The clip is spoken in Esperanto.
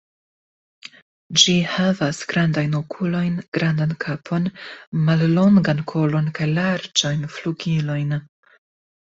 Ĝi havas grandajn okulojn, grandan kapon, mallongan kolon kaj larĝajn flugilojn.